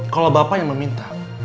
kalau bapak yang meminta